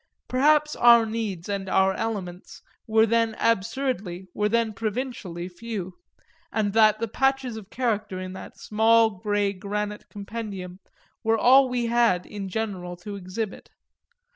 Perhaps our needs and our elements were then absurdly, were then provincially few, and that the patches of character in that small grey granite compendium were all we had in general to exhibit.